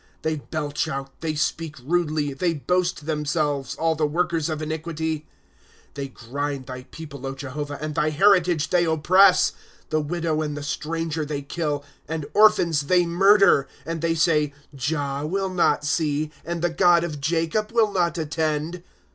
* They belch out, they speak rudely, They boast themselves, al! the workers of iniquity. ./Google ^ They grind thy people, Jehovah, And thy heritage they oppress. ^ The widow and the stranger they kill, And orphans they murder. ^ And they say : Jah will not see , And the God of Jacob will not attend.